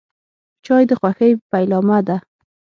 چای د خوښۍ پیلامه ده.